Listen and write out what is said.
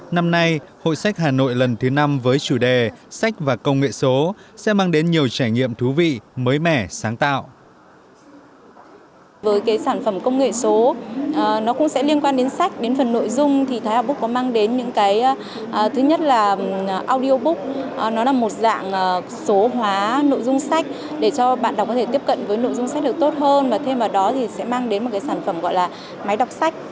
năm nay hội sách hà nội lần thứ năm với chủ đề sách và công nghệ số sẽ mang đến nhiều trải nghiệm thú vị mới mẻ sáng tạo